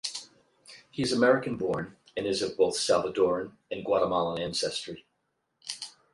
He is American born and is of both Salvadoran and Guatemalan ancestry.